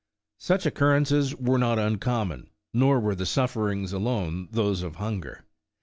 Such occurrences were not uncommon, nor were the sufferings alone those of hunger.